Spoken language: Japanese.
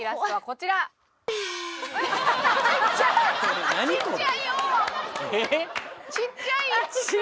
ちっちゃ！